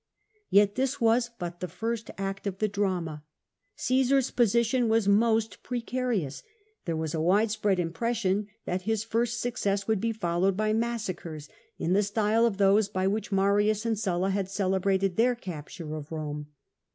Yet this was but the first act of the drama. Caesar's position was most precarious: there was a widespread impression that his first success would be followed by massacres, in the style of those by which Marius and Sulla had celebrated their capture of Romo.